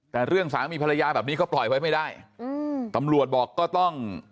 แต่เรื่องสามีภรรยาแบบนี้ก็ปล่อยไว้ไม่ได้อืมตำรวจบอกก็ต้อง